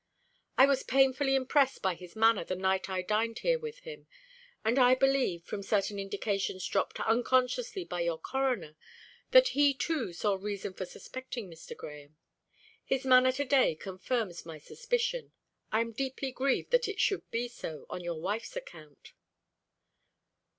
I was painfully impressed by his manner the night I dined here with him; and I believe, from certain indications dropped unconsciously by your Coroner, that he too saw reason for suspecting Mr. Grahame. His manner to day confirms my suspicion. I am deeply grieved that it should be so, on your wife's account."